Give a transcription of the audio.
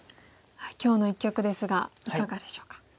今日の一局ですがいかがでしょうか？